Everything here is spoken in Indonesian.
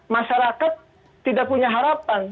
masyarakat tidak punya harapan